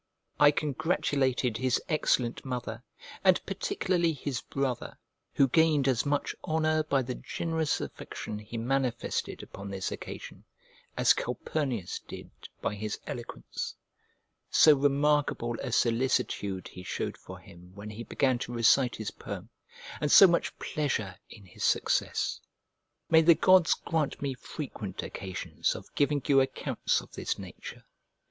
I congratulated his excellent mother, and particularly his brother, who gained as much honour by the generous affection he manifested upon this occasion as Calpurnius did by his eloquence; so remarkable a solicitude he showed for him when he began to recite his poem, and so much pleasure in his success. May the gods grant me frequent occasions of giving you accounts of this nature!